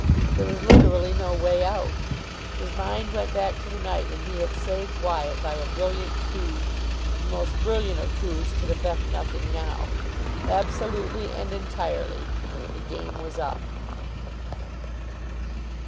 There was literally no way out. His mind went back to the night when he had saved Wyatt by a brilliant coup. The most brilliant of coups could effect nothing now. Absolutely and entirely the game was up.